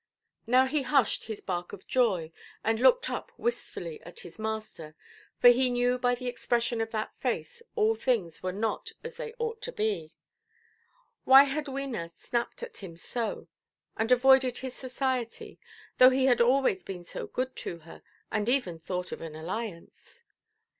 Now he hushed his bark of joy, and looked up wistfully at his master, for he knew by the expression of that face all things were not as they ought to be. Why had Wena snapped at him so, and avoided his society, though he had always been so good to her, and even thought of an alliance?